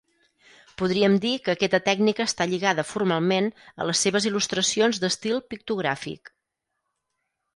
Podríem dir que aquesta tècnica està lligada formalment a les seves il·lustracions d'estil pictogràfic.